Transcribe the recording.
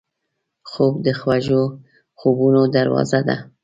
خوب د خوږو خوبونو دروازه ده